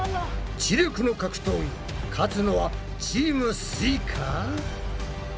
知力の格闘技勝つのはチームすイか？